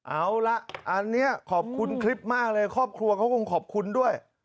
เอาละอันนี้ขอบคุณคลิปมากเลยครอบครัวเขาคงขอบคุณด้วย